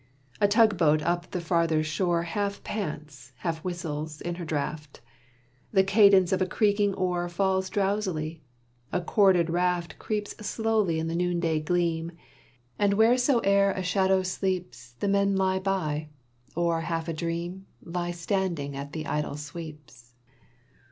A tug boat up the farther shore Half pants, half whistles, in her draught; The cadence of a creaking oar Falls drowsily; a corded raft Creeps slowly in the noonday gleam, And wheresoe'er a shadow sleeps The men lie by, or half a dream, Stand leaning at the idle sweeps.